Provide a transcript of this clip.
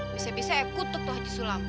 bisa bisa ya kutub tuh haji sulam